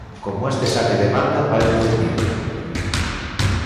Como este saque de banda mal defendido.